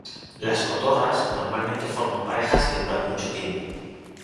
Las cotorras normalmente forman parejas que duran mucho tiempo.